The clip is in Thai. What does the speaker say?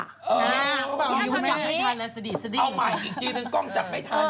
เออพี่พี่พูดจับไม่ทันแล้วสดิสดิเอาใหม่อีกทีหนึ่งกล้องจับไม่ทัน